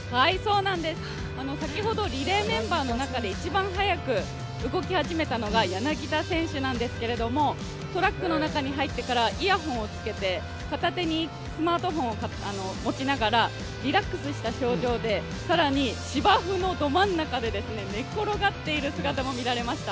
先ほどリレーメンバーの中で一番早く動き始めたのが柳田選手なんですけどトラックの中に入ってから、イヤホンをつけて、片手にスマートフォンを持ちながらリラックスした表情で更に芝生のど真ん中で寝っ転がっている姿も見られました。